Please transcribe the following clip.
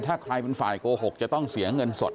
ถ้าใครเป็นฝ่ายโกหกจะต้องเสียเงินสด